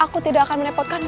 putraku makanlah putraku